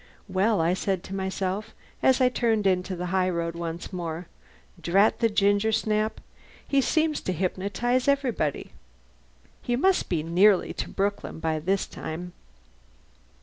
"Well," I said to myself as I turned into the high road once more, "drat the gingersnap, he seems to hypnotize everybody... he must be nearly in Brooklyn by this time!"